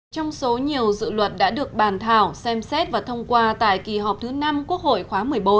trong số nhiều dự luật đã được bàn thảo xem xét và thông qua tại kỳ họp thứ năm quốc hội khóa một mươi bốn